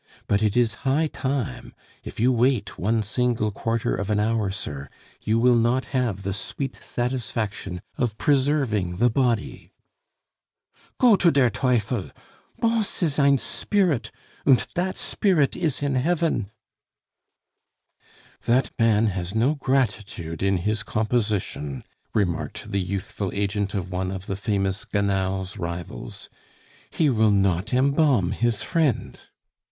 But it is high time; if you wait one single quarter of an hour, sir, you will not have the sweet satisfaction of preserving the body...." "Go to der teufel!... Bons is ein spirit und dat spirit is in hefn." "That man has no gratitude in his composition," remarked the youthful agent of one of the famous Gannal's rivals; "he will not embalm his friend."